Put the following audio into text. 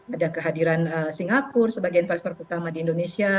ada kehadiran singapura sebagai investor utama di indonesia